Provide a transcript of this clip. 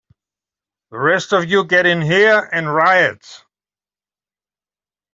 The rest of you get in here and riot!